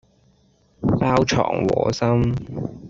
包藏禍心